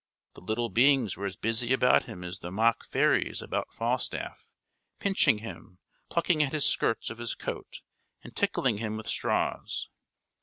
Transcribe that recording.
The little beings were as busy about him as the mock fairies about Falstaff; pinching him, plucking at the skirts of his coat, and tickling him with straws.